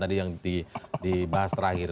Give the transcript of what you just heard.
tadi yang dibahas terakhir